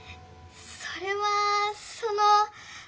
それはその。